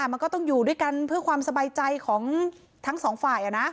มันก็ต้องอยู่ด้วยกันเพื่อความสบายใจของทั้งสองฝ่าย